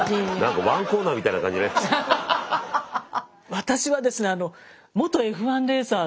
私はですね